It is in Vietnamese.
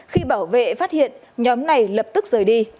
khi bảo vệ phát hiện nhóm này lập tức rời đi